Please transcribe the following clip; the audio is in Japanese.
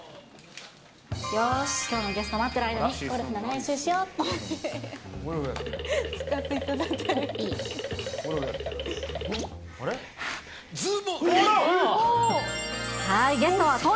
よーし、きょうのゲスト待ってる間に、ゴルフの練習しようっと。